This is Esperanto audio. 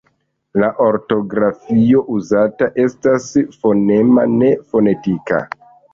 La ortografio uzata estas fonema, ne fonetika.